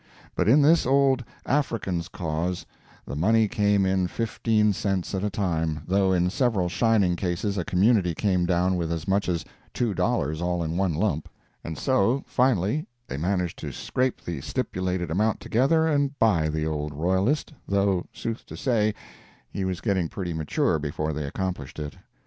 But in this old African's cause the money came in fifteen cents at a time, though in several shining cases a community came down with as much as two dollars all in one lump. And so, finally, they managed to scrape the stipulated amount together and buy the old royalist, though, sooth to say, he was getting pretty mature before they accomplished it.